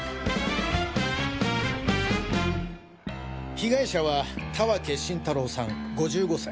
被害者は田分晋太郎さん５５歳。